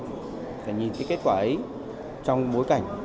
và có lẽ phải nhìn thấy kết quả ấy trong bối cảnh